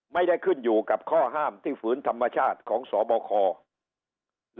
ไม่ได้ขึ้นอยู่กับข้อห้ามที่ฝืนธรรมชาติของสบค